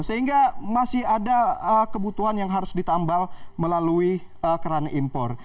sehingga masih ada kebutuhan yang harus ditambal melalui keran impor